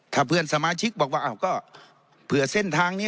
ถ้าเพื่อนสมาชิกบอกว่าอ้าวก็เผื่อเส้นทางนี้